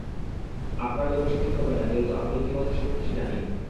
আপনার জন্য সঠিক হবে না যেহেতু আপনি ইতিমধ্যেই সবকিছু জানেন।